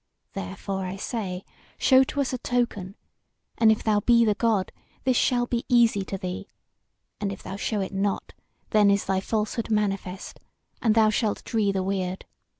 Therefore I say, show to us a token; and if thou be the God, this shall be easy to thee; and if thou show it not, then is thy falsehood manifest, and thou shalt dree the weird.